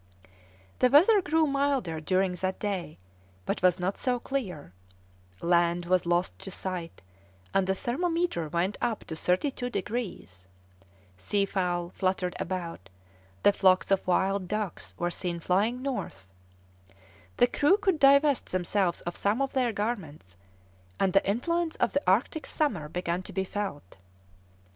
The weather grew milder during that day, but was not so clear; land was lost to sight, and the thermometer went up to thirty two degrees; seafowl fluttered about, the flocks of wild ducks were seen flying north; the crew could divest themselves of some of their garments, and the influence of the Arctic summer began to be felt.